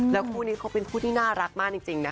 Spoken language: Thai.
คู่นี้เขาเป็นคู่ที่น่ารักมากจริงนะคะ